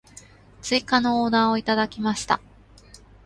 追加のオーダーをいただきました。